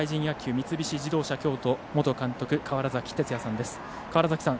三菱自動車京都元監督、川原崎哲也さんです。